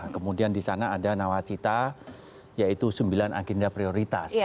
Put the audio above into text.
kemudian di sana ada nawacita yaitu sembilan agenda prioritas